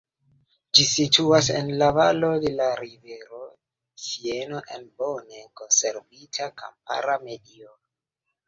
Ĝi situas en la valo de la rivero Sieno en bone konservita kampara medio.